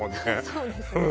そうです